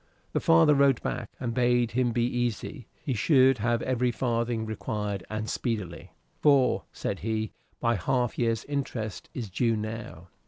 The father wrote back and bade him be easy; he should have every farthing required, and speedily. "For," said he, "my half year's interest is due now."